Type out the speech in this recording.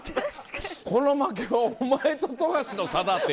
「この負けはお前と富樫の差だ」って。